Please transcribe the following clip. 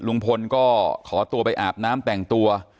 ลุงพลก็ขอตัวไปอาบน้ำแต่งตัว